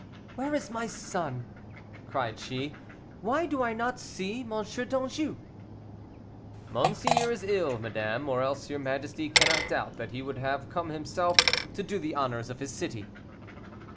"Where is my son?" cried she; "why do I not see M. d'Anjou?" "Monseigneur is ill, madame, or else your majesty cannot doubt that he would have come himself to do the honors of his city."